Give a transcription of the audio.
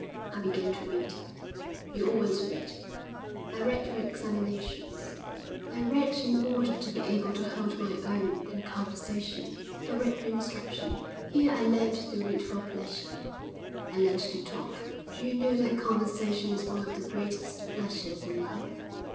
I began to read." "You always read." "I read for examinations. I read in order to be able to hold my own in conversation. I read for instruction. Here I learned to read for pleasure. I learned to talk. Do you know that conversation is one of the greatest pleasures in life?